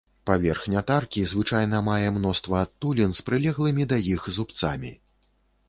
Паверхня таркі звычайна мае мноства адтулін з прылеглымі да іх зубцамі.